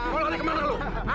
mau lari kemana lu